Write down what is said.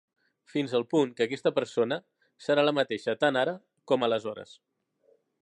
Fins al punt que aquesta persona serà la mateixa tant ara com aleshores.